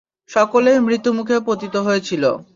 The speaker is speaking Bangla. সকলেই মৃত্যুমুখে পতিত হয়েছিল।